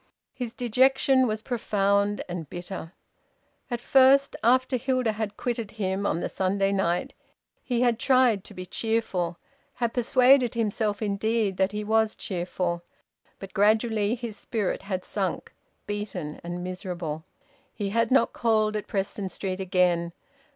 His dejection was profound and bitter. At first, after Hilda had quitted him on the Sunday night, he had tried to be cheerful, had persuaded himself indeed that he was cheerful; but gradually his spirit had sunk, beaten and miserable. He had not called at Preston Street again.